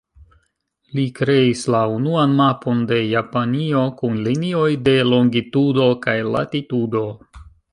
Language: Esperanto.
Li kreis la unuan mapon de Japanio kun linioj de longitudo kaj latitudo.